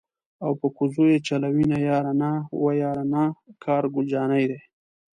او په کوزو یې چلوینه یاره نا وه یاره نا کار ګل جانی دی.